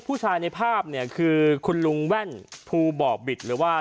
ผู้ชายในภาพเนี่ยคือคุณลุงแว่นภูบ่อบิตหรือว่า